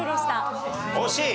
惜しい。